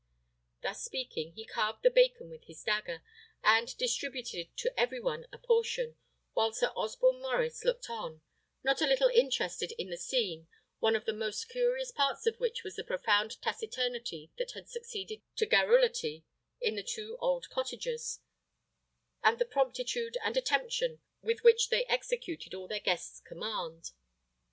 Thus speaking, he carved the bacon with his dagger, and distributed to every one a portion, while Sir Osborne Maurice looked on, not a little interested in the scene, one of the most curious parts of which was the profound taciturnity that had succeeded to garrulity in the two old cottagers, and the promptitude and attention with which they executed all their guest's commands.